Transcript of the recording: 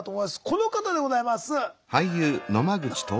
この方でございます。